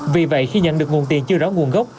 vì vậy khi nhận được nguồn tiền chưa rõ nguồn gốc